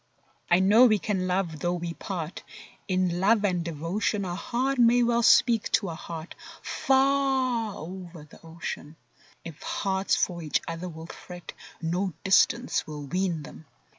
I know we can love though we part; In love and devotion A heart may well speak to a heart Far over the ocean. If hearts for each other will fret, No distance will wean them!